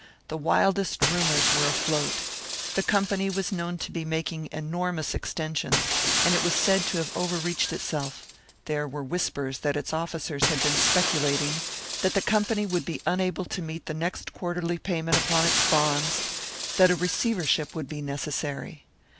The wildest rumours were afloat. The Company was known to be making enormous extensions, and it was said to have overreached itself; there were whispers that its officers had been speculating, that the Company would be unable to meet the next quarterly payment upon its bonds, that a receivership would be necessary.